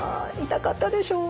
痛かったでしょう？